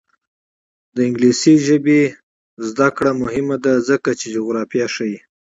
د انګلیسي ژبې زده کړه مهمه ده ځکه چې جغرافیه ښيي.